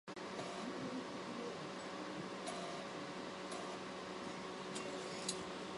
他还批评当局准许赌博活动和对触犯轻微罪行的人士施行体罚的作法。